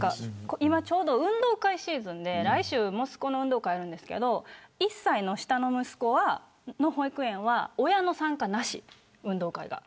今は運動会シーズンで来週息子の運動会があるんですが１歳の、下の息子の保育園は親の参加がなしです。